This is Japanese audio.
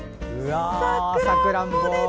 さくらんぼです！